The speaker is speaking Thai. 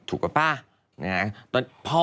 ถูกหรือเปล่า